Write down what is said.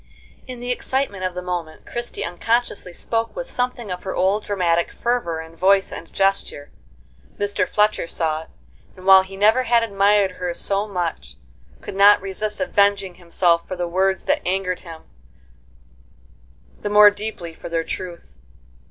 In the excitement of the moment Christie unconsciously spoke with something of her old dramatic fervor in voice and gesture; Mr. Fletcher saw it, and, while he never had admired her so much, could not resist avenging himself for the words that angered him, the more deeply for their truth.